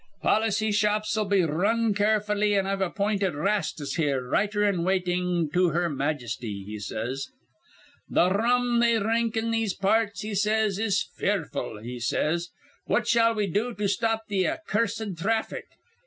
Policy shops'll be r run carefully, an' I've appinted Rastus here Writer in Waitin' to her Majesty,' he says. "'Th' r rum they dhrink in these par rts,' he says, 'is fearful,' he says. 'What shall we do to stop th' ac cursed thraffic?